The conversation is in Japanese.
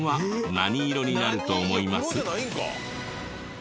何？